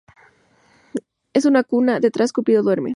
En una cuna, detrás, Cupido duerme.